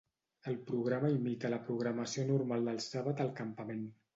El programa imita la programació normal del sàbat al campament.